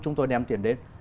chúng tôi đem tiền đến